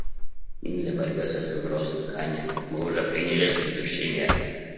Для борьбы с этой угрозой в Гане мы уже приняли следующие меры.